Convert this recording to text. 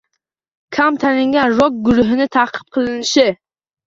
Kam tanilgan rok-guruhining ta’qib qilinishi